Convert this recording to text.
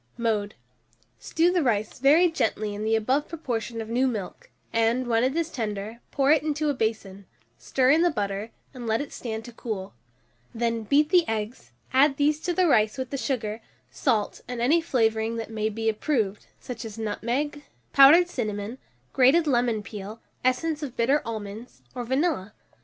Mode. Stew the rice very gently in the above proportion of new milk, and, when it is tender, pour it into a basin; stir in the butter, and let it stand to cool; then beat the eggs, add these to the rice with the sugar, salt, and any flavouring that may be approved, such as nutmeg, powdered cinnamon, grated lemon peel, essence of bitter almonds, or vanilla.